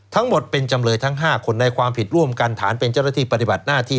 ทั้งหมดเป็นจำเลยทั้ง๕คนในความผิดร่วมกันฐานเป็นเจ้าหน้าที่ปฏิบัติหน้าที่